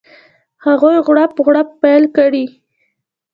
هغوی غړپ غړوپ پیل کړي.